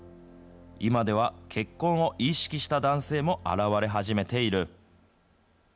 今では結婚を意識した男性も現れはじめている。